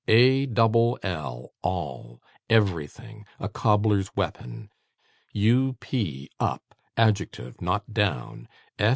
A double 1 all, everything a cobbler's weapon. U p up, adjective, not down.